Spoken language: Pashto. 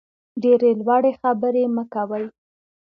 ډېرې لوړې خبرې مه کوئ.